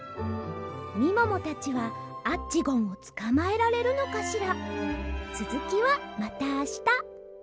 みももたちはアッチゴンをつかまえられるのかしら？